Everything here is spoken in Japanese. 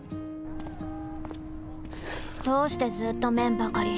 どうしてずーっと麺ばかり！